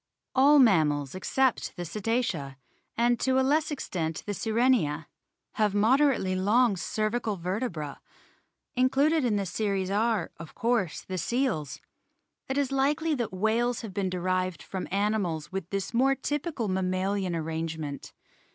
All mammals except the Cetacea, and to a less extent the Sirenia, have moderately long cer vical vertebrae. Included in this series are, of course, ZEUGLODONTS 311 the seals. It is likely that whales have been derived from animals with this more typical mammalian arrangement.